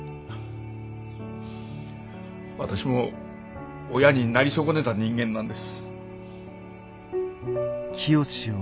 私も親になり損ねた人間なんです。